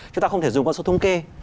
chúng ta không thể dùng con số thông kê